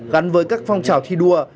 gắn với các phong trào thi đua